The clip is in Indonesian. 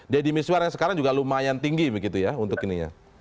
di dini miswa yang sekarang juga lumayan tinggi begitu ya untuk ini ya